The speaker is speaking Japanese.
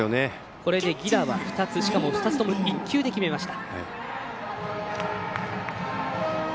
これで犠打は２つしかも２つとも１球で決めました。